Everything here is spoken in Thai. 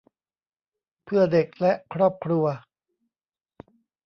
เพื่อเด็กและครอบครัว